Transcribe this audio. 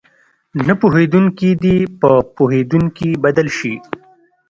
نه پوهېدونکي دې په پوهېدونکي بدل شي.